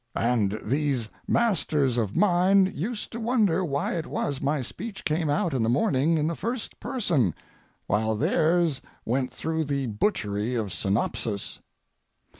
And these masters of mind used to wonder why it was my speech came out in the morning in the first person, while theirs went through the butchery of synopsis.